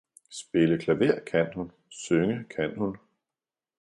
Spille klaver kan hun, synge kan hun.